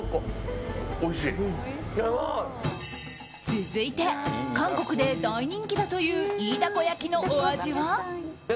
続いて、韓国で大人気だというイイダコ焼きのお味は？